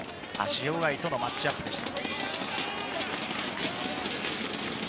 塩貝とのマッチアップでした。